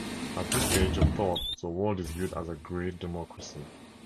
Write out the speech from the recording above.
At this stage of thought the world is viewed as a great democracy.